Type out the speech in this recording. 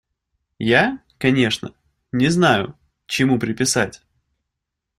Я, конечно, не знаю, чему приписать.